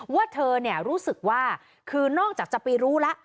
ว่าเธอรู้สึกว่าคือนอกจากจะไปรู้แล้ว